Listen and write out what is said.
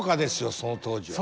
その当時は。